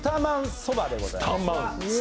ソバでございます。